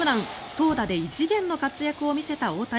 投打で異次元の活躍を見せた大谷。